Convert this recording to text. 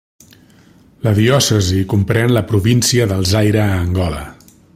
La diòcesi comprèn la província del Zaire a Angola.